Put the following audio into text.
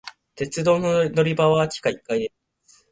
鉄道の乗り場は地下一階です。